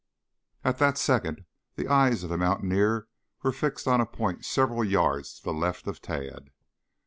At that second the eyes of the mountaineer were fixed on a point several yards to the left of Tad.